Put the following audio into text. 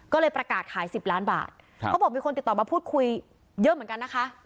ก็เลยประกาศขาย๑๐ล้านบาทเขาบอกมีคนติดต่อมาพูดคุยเยอะเหมือนกันนะคะ